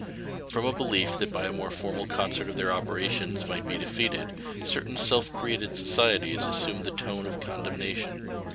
From a belief that by a more formal concert their operation might be defeated, certain self created societies assumed the tone of condemnation.